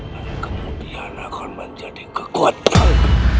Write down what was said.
dan kemudian akan menjadi kekuatan